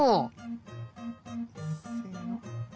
せの！